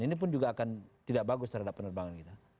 ini pun juga akan tidak bagus terhadap penerbangan kita